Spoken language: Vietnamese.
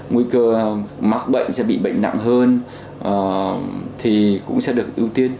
nguy cơ mắc bệnh sẽ bị bệnh nặng hơn thì cũng sẽ được ưu tiên